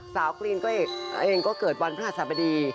สาวกลีนเองก็เกิดวันพระศาสตร์ประดี